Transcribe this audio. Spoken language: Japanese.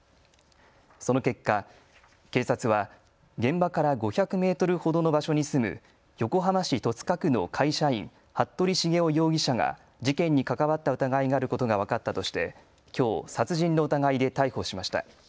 その結果、警察は現場から５００メートルほどの場所に住む横浜市戸塚区の会社員、服部繁雄容疑者が事件に関わった疑いがあることが分かったとしてきょう殺人の疑いで逮捕しました。